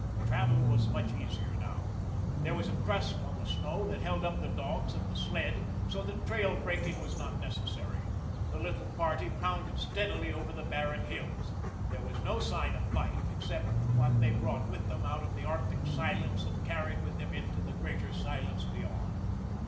Travel was much easier now. There was a crust on the snow that held up the dogs and the sled so that trail breaking was not necessary. The little party pounded steadily over the barren hills. There was no sign of life except what they brought with them out of the Arctic silence and carried with them into the greater silence beyond.